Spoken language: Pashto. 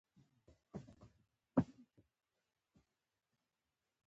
د دې درې مهم کلي حیدرخیل، لړم، حسن خیل.